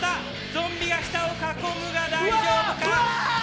ゾンビが下を囲むが、大丈夫か。